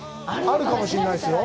あるかもしれないですよ。